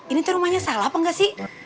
ini tuh rumahnya salah apa nggak sih